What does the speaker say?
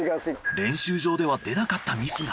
練習場では出なかったミスが。